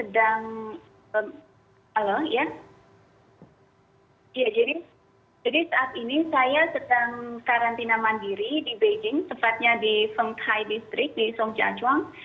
dan iya memang benar saat saya sedang karantina mandiri di beijing sepatnya di fenghai district di songjiacuang